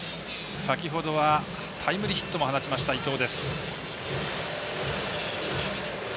先ほどは、タイムリーヒットも放ちました、伊藤。